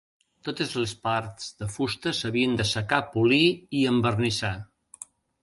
Totes les parts de fusta s'havien d'assecar, polir i envernissar.